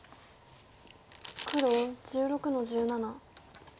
黒１６の十七。